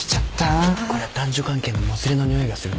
こりゃ男女関係のもつれのにおいがするなぷんぷんと。